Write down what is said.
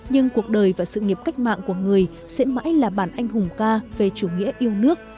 nhưng cuộc đời và sự nghiệp cách mạng của người sẽ mãi là bản anh hùng ca về chủ nghĩa yêu nước